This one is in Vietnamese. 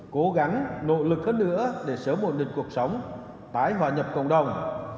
cố gắng nỗ lực hơn nữa để sớm ổn định cuộc sống tái hòa nhập cộng đồng